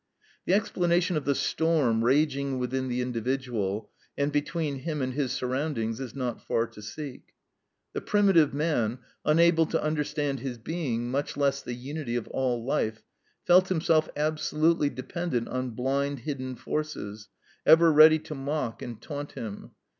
The explanation of the storm raging within the individual, and between him and his surroundings, is not far to seek. The primitive man, unable to understand his being, much less the unity of all life, felt himself absolutely dependent on blind, hidden forces ever ready to mock and taunt him.